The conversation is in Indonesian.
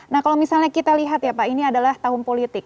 nah kalau misalnya kita lihat ya pak ini adalah tahun politik